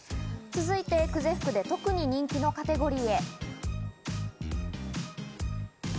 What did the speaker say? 続いて久世福で特に人気のカテゴリーへ。